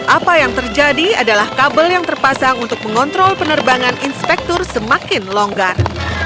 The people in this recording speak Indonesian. apa yang terjadi adalah kabel yang terpasang untuk mengontrol penerbangan inspektur semakin longgar